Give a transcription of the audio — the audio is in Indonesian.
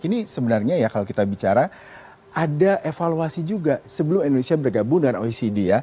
ini sebenarnya ya kalau kita bicara ada evaluasi juga sebelum indonesia bergabung dengan oecd ya